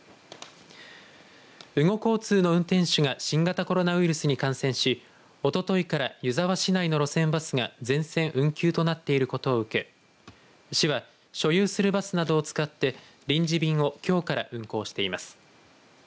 羽後交通の運転手が新型コロナウイルスに感染しおとといから湯沢市内の路線バスが全線運休となっていることを受け市は、所有するバスなどを使って臨時便をきょうから運行しています。